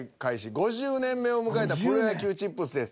５０年目を迎えたプロ野球チップスです。